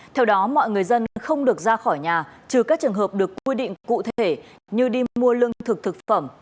theo đó mọi người dân không được ra khỏi nhà trừ các trường hợp được quy định cụ thể như đi mua lương thực thực phẩm